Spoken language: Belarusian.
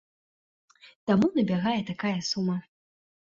Таму набягае такая сума.